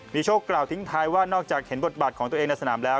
มีโชคกล่าวทิ้งท้ายว่านอกจากเห็นบทบาทของตัวเองในสนามแล้ว